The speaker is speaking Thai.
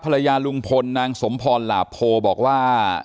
ภรรยาลุงพลนางสมพลหลาโพบอกว่า